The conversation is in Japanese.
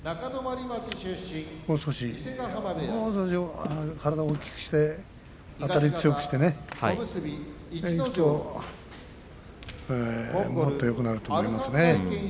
もう少し体を大きくしてあたりを強くしていくともっとよくなると思いますね。